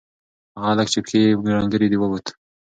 هغه هلک چې پښې یې ډنگرې دي ووت.